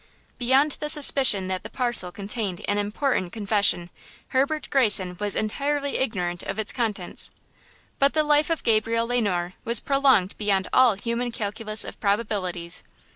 Beyond the suspicion that the parcel contained an important confession, Herbert Greyson was entirely ignorant of its contents. But the life of Gabriel Le Noir was prolonged beyond all human calculus of probabilities.